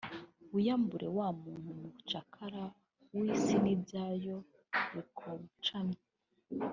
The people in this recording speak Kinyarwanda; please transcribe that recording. wiyambure wa muntu mucakara w’isi n’ibyayo bikocamye